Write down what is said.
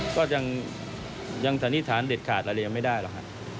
ก็ยังสันนิษฐานเด็ดขาดอะไรยังไม่ได้หรอกฮะ